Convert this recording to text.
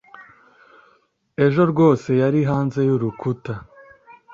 ejo rwose yari hanze y'urukuta